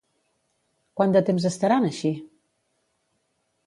Quant de temps estaran així?